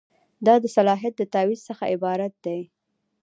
دا د صلاحیت د تعویض څخه عبارت دی.